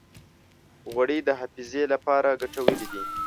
غوړې د حافظې لپاره ګټورې دي.